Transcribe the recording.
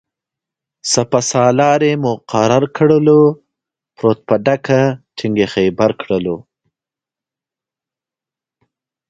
سپه سالار یې مقرر کړلو-پروت په ډکه ټینګ یې خیبر کړلو